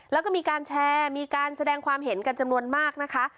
แล้วก็มีการแชร์มีการแสดงความเห็นกันจำนวนมากนะคะ